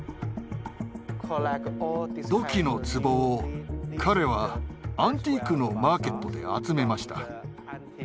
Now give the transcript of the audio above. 土器のつぼを彼はアンティークのマーケットで集めました。